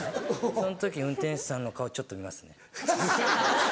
その時運転手さんの顔ちょっと見ますね。